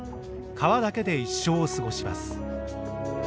川だけで一生を過ごします。